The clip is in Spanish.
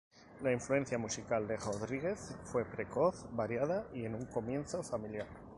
La influencia musical de Rodríguez fue precoz, variada y en un comienzo familiar.